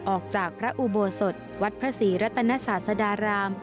ออกจากพระอุโบสถวัดพระศรีรัตนศาสดาราม